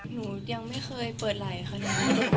หนูยังไม่เคยเปิดไหล่ค่ะ